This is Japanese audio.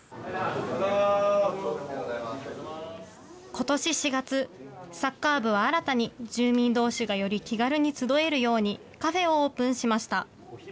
ことし４月、サッカー部は新たに住民どうしがより気軽に集えるように、カフェをオープンしました。